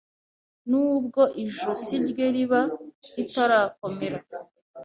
n’ubwo ijosi rye riba ritarakomera.